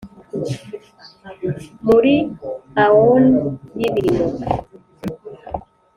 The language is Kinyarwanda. muri æon y'ibirimo!